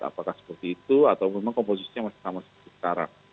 apakah seperti itu atau memang komposisinya masih sama seperti sekarang